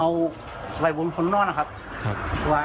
เอาไว้บนข้างนอกนะครับ